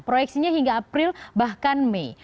proyeksinya hingga april bahkan mei